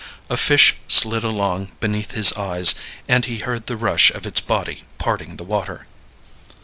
A fish slid along beneath his eyes and he heard the rush of its body parting the water.